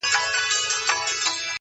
ځيني يې هنر بولي ډېر لوړ,